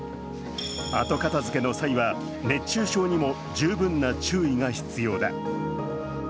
後片づけの際は熱中症にも十分な注意が必要だ。